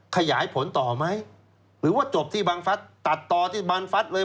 ขยายผลต่อไหมหรือว่าจบที่บังฟัสตัดต่อที่บังฟัดเลย